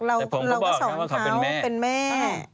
แต่ผมก็บอกเขาว่าเขาเป็นแม่